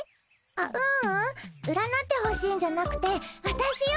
あっううん占ってほしいんじゃなくてわたしよ